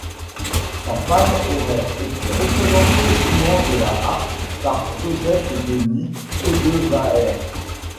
Sa femme aurait été représentée jouant de la harpe par Joseph-Denis Odevaere.